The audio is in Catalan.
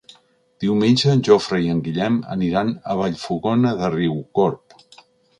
Diumenge en Jofre i en Guillem aniran a Vallfogona de Riucorb.